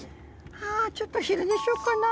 「はぁちょっと昼寝しようかな」。